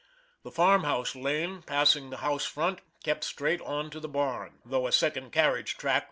The farm house lane, passing the house front, kept straight on to the barn, though a second carriage track ran up to the porch.